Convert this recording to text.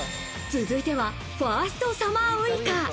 続いてはファーストサマーウイカ。